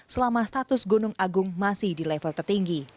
selama status gunung agung masih di level tertinggi